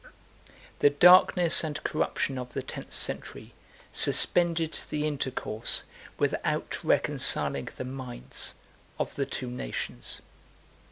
The darkness and corruption of the tenth century suspended the intercourse, without reconciling the minds, of the two nations.